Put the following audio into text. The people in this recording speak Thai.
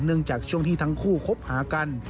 จากช่วงที่ทั้งคู่คบหากัน